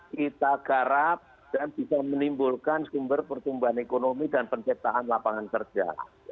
kita garap dan bisa menimbulkan sumber pertumbuhan ekonomi dan penciptaan lapangan kerja